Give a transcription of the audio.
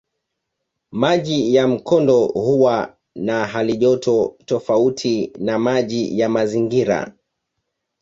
Maji ya mkondo huwa na halijoto tofauti na maji ya mazingira.